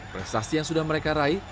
prestasi yang sudah mereka raih